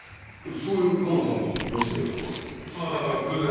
そういうカモさんこそどうして岡崎警視と？ああ偶然。